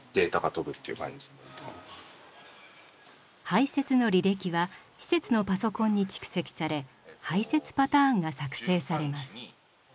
排せつの履歴は施設のパソコンに蓄積され排せつパターンが作成されます。